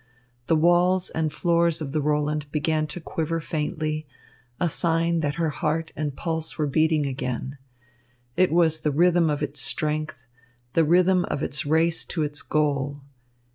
The walls and floors of the Roland began to quiver faintly, a sign that her heart and pulse were beating again. It was the rhythm of its strength, the rhythm of its race to its goal.